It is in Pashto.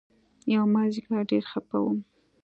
يومازديگر ډېر خپه وم.